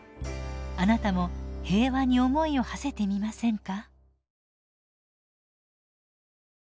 あなたも平和に思いをはせてみませんか？